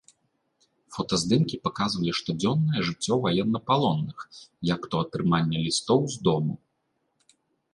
Фотаздымкі паказвалі штодзённае жыццё ваеннапалонных, як то атрыманне лістоў з дому.